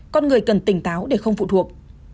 con người cần tỉnh táo để không phụ thuộc